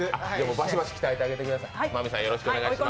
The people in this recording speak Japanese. バシバシ鍛えてあげてください。